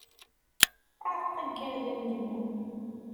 Aɛeqqa n yirden deg yimi.